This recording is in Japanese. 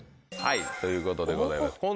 はいということでございます。